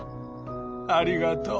ありがとう。